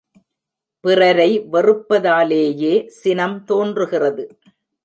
பிறரை வெறுப்பதாலேயே சினம் தோன்றுகிறது.